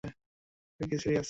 তুই কি সিরিয়াস?